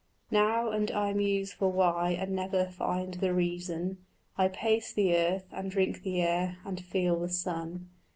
Now, and I muse for why and never find the reason, I pace the earth, and drink the air, and feel the sun.